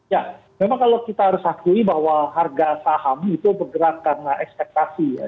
ya memang kalau kita harus akui bahwa harga saham itu bergerak karena ekspektasi ya